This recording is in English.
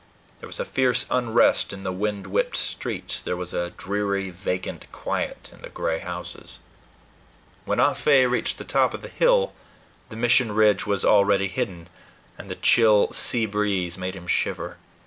There was a fierce unrest in the wind whipped streets: there was a dreary vacant quiet in the gray houses. When Ah Fe reached the top of the hill, the Mission Ridge was already hidden, and the chill sea breeze made him shiver.